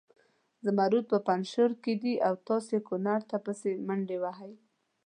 زمرود په پنجشیر کې دي او تاسې کنړ ته پسې منډې وهئ.